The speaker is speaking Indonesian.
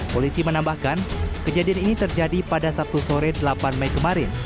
polisi menambahkan kejadian ini terjadi pada sabtu sore delapan mei kemarin